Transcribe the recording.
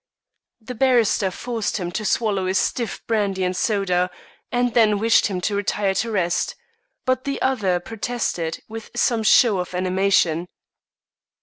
The barrister forced him to swallow a stiff brandy and soda, and then wished him to retire to rest, but the other protested with some show of animation.